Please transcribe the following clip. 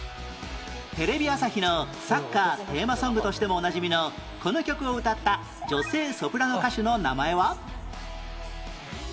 テレビ朝日のサッカーテーマソングとしてもおなじみのこの曲を歌った女性ソプラノ歌手の名前は？